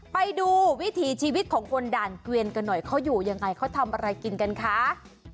ไปดูวิถีชีวิตของคนด่านเกวียนกันหน่อยเขาอยู่ยังไงเขาทำอะไรกินกันคะ